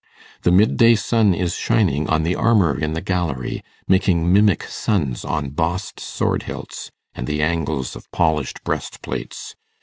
The mid day sun is shining on the armour in the gallery, making mimic suns on bossed sword hilts and the angles of polished breast plates.